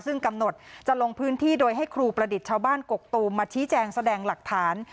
ซึ่งกำหนดจะลงพื้นที่โดยให้ครูประดิษฐ์ชาวบ้านกกตูมมาชี้แจงแสดงหลักฐาน